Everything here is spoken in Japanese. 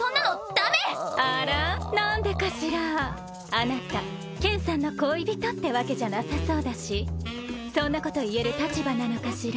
あなた剣さんの恋人ってわけじゃなさそうだしそんなこと言える立場なのかしら。